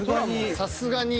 さすがに。